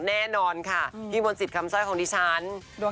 แน่นอนค่ะพี่มนต์สิทธิ์คำสร้อยของดิฉัน